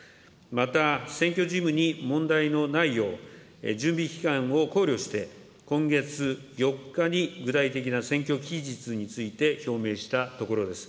また、選挙事務に問題のないよう、準備期間を考慮して、今月４日に具体的な選挙期日について表明したところです。